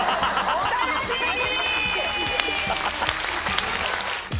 お楽しみに！